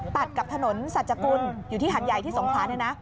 ตัดกับถนนสัจจกุลอยู่ที่หันใหญ่ที่สงคราน